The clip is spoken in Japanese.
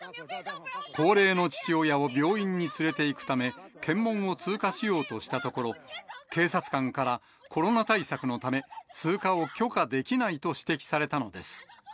高齢の父親を病院に連れていくため、検問を通過しようとしたところ、警察官から、コロナ対策のため、通過を許可できないと指摘されたのです。